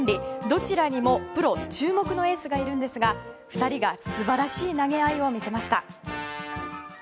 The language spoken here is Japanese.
どちらにもプロ注目のエースがいるんですが２人が素晴らしい投げ合いを見せました。